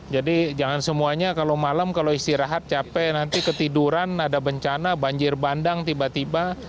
jadi jangan semuanya kalau malam kalau istirahat capek nanti ketiduran ada bencana banjir bandang tiba tiba